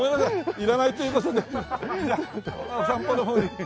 いらないという事でじゃあお散歩の方に。